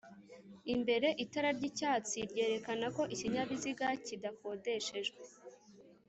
imbere itara ry'icyatsi ryerekana ko ikinyabiziga kidakodeshejwe.